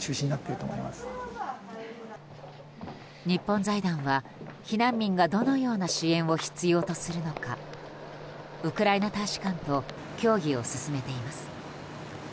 日本財団は避難民がどのような支援を必要とするのかウクライナ大使館と協議を進めています。